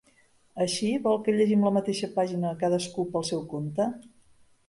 Així, vol que llegim la mateixa pàgina cadascú pel seu compte?